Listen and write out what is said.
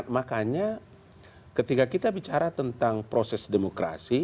makanya ketika kita bicara tentang proses demokrasi